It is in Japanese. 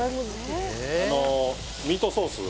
あのミートソース